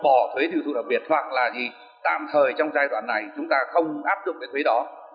bỏ thuế tiêu thụ đặc biệt hoặc là gì tạm thời trong giai đoạn này chúng ta không áp dụng cái thuế đó